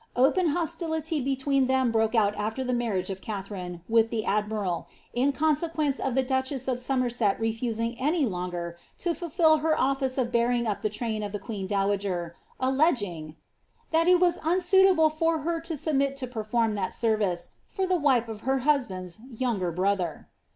Opia hostility between them broke out after the marriage of Katharine with the admiralu in consequence of the duchess of Somerset refusing any longer to fulfil her office of bearing up the train of the queen dowager, alleging, ^^ that it was unsuitable for her to submit to perfonn that 0e^ Tice for t)ie wife of her husband^s younger brother.